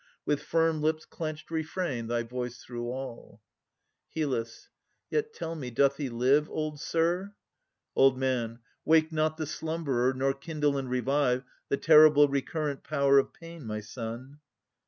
With firm lips clenched refrain thy voice through all. HYL. Yet tell me, doth he live, Old sir? OLD M. Wake not the slumberer, Nor kindle and revive The terrible recurrent power of pain, My son!